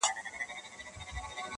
پر بوډۍ لکړه ګرځم چي لا چیري به اجل وي؛